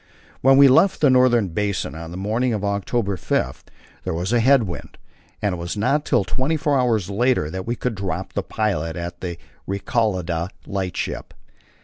When we left the northern basin on the morning of October 5, there was a head wind, and it was not till twenty four hours later that we could drop the pilot at the Recalada lightship.